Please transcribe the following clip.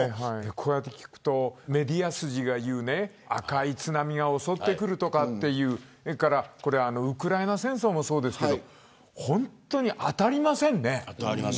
こうやって聞くとメディア筋が言う赤い津波が襲ってくるとかそれからウクライナ戦争もそうですけど本当に当たりませんね。